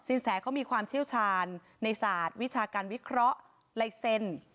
แสเขามีความเชี่ยวชาญในศาสตร์วิชาการวิเคราะห์ลายเซ็น